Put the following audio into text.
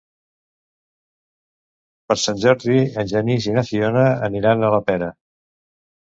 Per Sant Jordi en Genís i na Fiona aniran a la Pera.